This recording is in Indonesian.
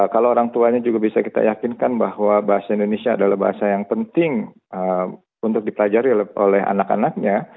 kalau orang tuanya juga bisa kita yakinkan bahwa bahasa indonesia adalah bahasa yang penting untuk dipelajari oleh anak anaknya